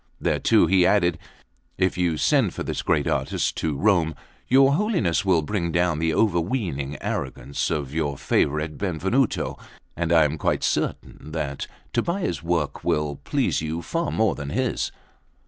Thereto he added: "If you send for this great artist to Rome, your Holiness will bring down the overweening arrogance of your favourite Benvenuto, and I am quite certain that Tobbia's work will please you far more than his."